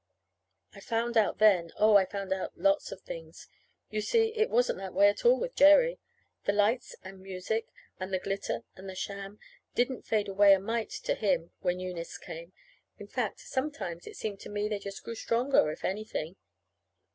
I found out then oh, I found out lots of things. You see, it wasn't that way at all with Jerry. The lights and music and the glitter and the sham didn't fade away a mite, to him, when Eunice came. In fact, sometimes it seemed to me they just grew stronger, if anything.